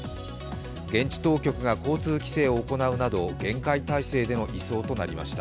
現地当局が交通規制を行うなど厳戒態勢での移送となりました。